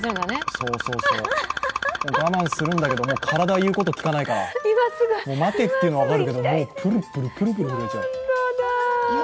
我慢するんだけど、体は言うことを聞かないから、待てっていうのは分かるけどぷるぷる震えちゃう。